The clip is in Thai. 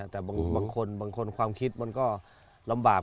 แต่บางคนบางคนความคิดมันก็ลำบาก